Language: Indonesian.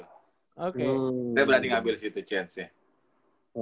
oke saya berani ngambil sih itu chance nya